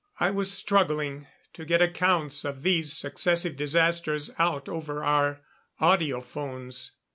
I was struggling to get accounts of these successive disasters out over our audiophones.